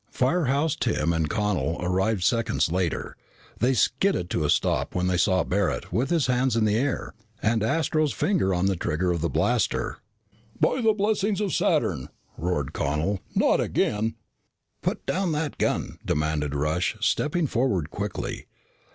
Firehouse Tim and Connel arrived seconds later. They skidded to a stop when they saw Barret with his hands in the air and Astro's finger on the trigger of the blaster. "By the blessed rings of Saturn!" roared Connel. "Not again." "Put down that gun," demanded Rush, stepping forward quickly.